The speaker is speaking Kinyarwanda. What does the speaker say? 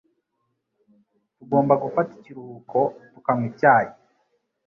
Tugomba gufata ikiruhuko tukanywa icyayi.